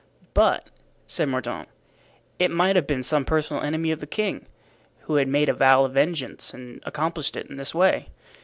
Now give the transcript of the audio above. "But," said Mordaunt, "it might have been some personal enemy of the king, who had made a vow of vengeance and accomplished it in this way.